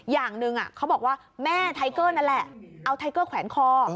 อย่างหนึ่งเขาบอกว่าแม่ไทเกอร์นั่นแหละเอาไทเกอร์แขวนคอ